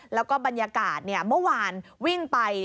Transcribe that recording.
แล้วก็บรรยากาศเมื่อวานวิ่งไป